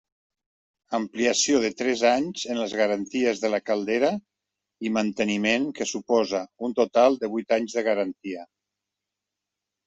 Ampliació de tres anys en les garanties de la caldera i manteniment que suposa un total de vuit anys de garantia.